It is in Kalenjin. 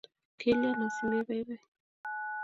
kilyan asimei baibai?